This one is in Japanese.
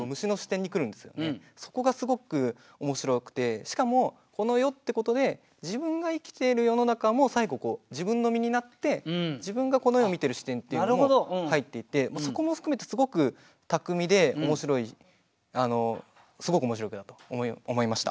そこがすごくおもしろくてしかもこの世ってことで自分が生きている世の中も最後自分の身になって自分が「この世」を見ている視点っていうのも入っていてそこも含めてすごく巧みでおもしろいすごくおもしろい句だと思いました。